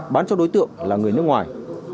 bán cho đối tượng là người nước ngoài